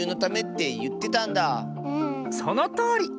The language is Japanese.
そのとおり！